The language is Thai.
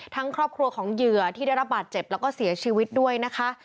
ครอบครัวของเหยื่อที่ได้รับบาดเจ็บแล้วก็เสียชีวิตด้วยนะคะ